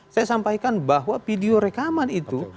saya sampaikan bahwa video rekaman itu